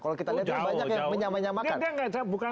kalau kita lihat banyak yang menyamakan